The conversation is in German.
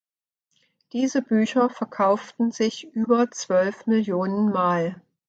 Diese Bücher verkauften sich über zwölf Millionen Mal.